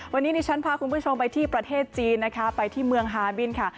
วันนี้ดิฉันพาคุณผู้ชมไปที่ประเทศจีนนะคะไปที่เมืองฮาบินค่ะ